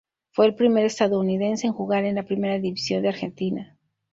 Fue el primer estadounidense en jugar en la Primera División de Argentina.